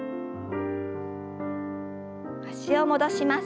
脚を戻します。